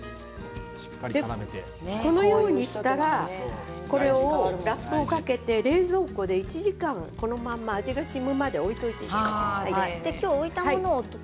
このようにしたらこれをラップをかけて冷蔵庫で１時間、このまま味がしみこむまで置いておきます。